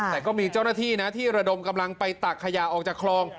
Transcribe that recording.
แต่ก็มีเจ้าหน้าที่นะที่ระดมกำลังไปตักขยะออกจากคลอง